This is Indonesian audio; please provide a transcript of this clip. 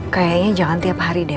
kayaknya jangan tiap hari deh